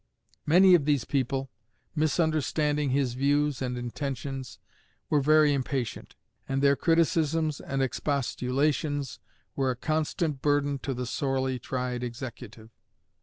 Many of these people, misunderstanding his views and intentions, were very impatient; and their criticisms and expostulations were a constant burden to the sorely tried Executive.